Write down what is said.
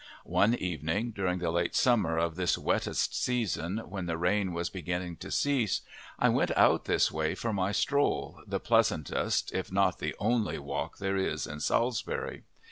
One evening, during the late summer of this wettest season, when the rain was beginning to cease, I went out this way for my stroll, the pleasantest if not the only "walk" there is in Salisbury.